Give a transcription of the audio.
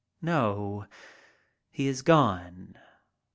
No, he is gone.